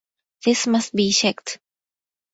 This must be checked.